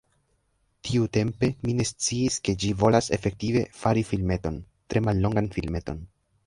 Tiutempe, mi ne sciis ke ĝi volas efektive, fari filmeton, tre mallongan filmeton.